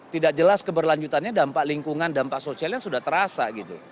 tidak jelas keberlanjutannya dampak lingkungan dampak sosialnya sudah terasa gitu